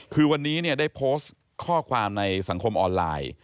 คือวันนี้ได้โพสต์ข้อความในสังคมออนไลน์